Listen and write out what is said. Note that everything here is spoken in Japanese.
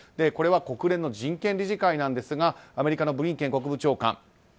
これは国連の人権理事会ですがアメリカのブリンケン国務長官